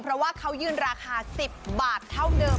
เพราะว่าเขายืนราคา๑๐บาทเท่าเดิม